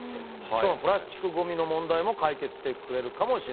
しかもプラスチックゴミの問題も解決してくれるかもしれないと。